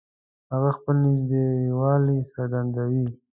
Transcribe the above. هغه خپل نږدېوالی څرګندوي